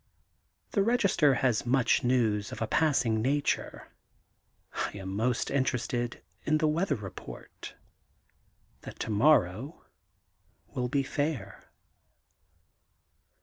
The Register has much news of a passing nature. I am the most interested in the weather report, that tomorrow will be fair.